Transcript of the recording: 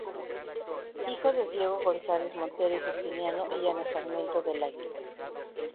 Hijo de Diego González Montero y Justiniano y Ana Sarmiento del Águila.